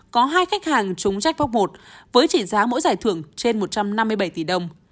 có hai khách hàng chúng jackpot một với trị giá mỗi giải thưởng trên một trăm năm mươi bảy tỷ đồng